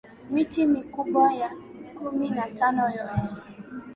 miti mikubwa ya kumi na tano yote